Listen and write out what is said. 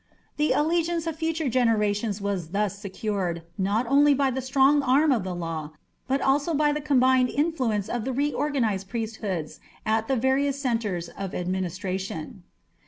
The allegiance of future generations was thus secured, not only by the strong arm of the law, but also by the combined influence of the reorganized priesthoods at the various centres of administration.